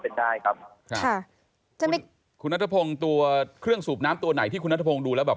ก็เป็นได้ครับสิค่ะจะไม่คุณณทะพงตัวเครื่องสูบน้ำตัวไหนที่คุณณทะพงดูแล้วแบบ